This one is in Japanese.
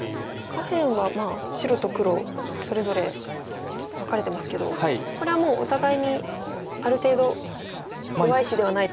下辺は白と黒それぞれ分かれてますけどこれはもうお互いにある程度弱い石ではないと。